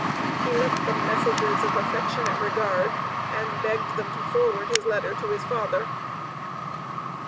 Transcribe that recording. He left them messages of affectionate regard, and begged them to forward his letter to his father.